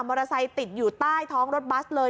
เตอร์ไซค์ติดอยู่ใต้ท้องรถบัสเลย